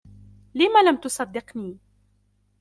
لمَ لم تصدقني ؟